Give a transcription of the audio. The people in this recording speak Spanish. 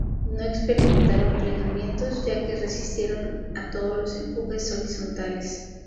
No experimentaron plegamientos, ya que resistieron a todos los empujes horizontales.